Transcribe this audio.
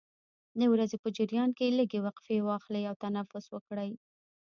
د ورځې په جریان کې لږې وقفې واخلئ او تنفس وکړئ.